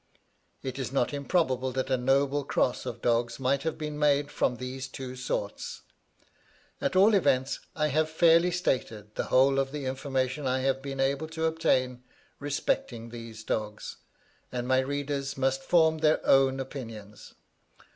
It is not improbable that a noble cross of dogs might have been made from these two sorts. At all events I have fairly stated the whole of the information I have been able to obtain respecting these dogs, and my readers must form their own opinions.